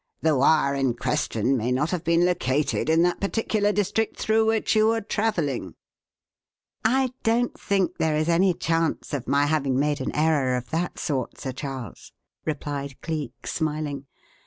The wire in question may not have been located in that particular district through which you were travelling." "I don't think there is any chance of my having made an error of that sort, Sir Charles," replied Cleek, smiling.